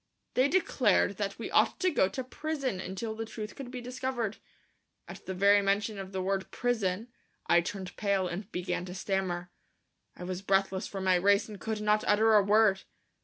They declared that we ought to go to prison until the truth could be discovered. At the very mention of the word "prison" I turned pale and began to stammer. I was breathless from my race and could not utter a word.